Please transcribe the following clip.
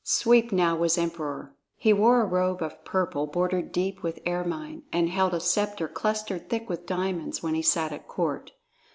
Sweep now was Emperor. He wore a robe of purple bordered deep with ermine, and held a sceptre clustered thick with diamonds when he sat at court.